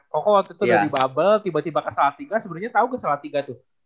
ko ko waktu itu udah di bubble tiba tiba ke salatiga sebenernya tau ke salatiga tuh